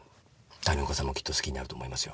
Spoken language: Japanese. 谷岡さんもきっと好きになると思いますよ。